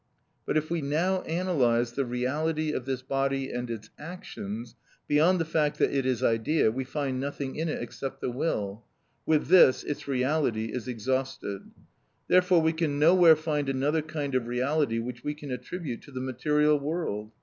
But if we now analyse the reality of this body and its actions, beyond the fact that it is idea, we find nothing in it except the will; with this its reality is exhausted. Therefore we can nowhere find another kind of reality which we can attribute to the material world.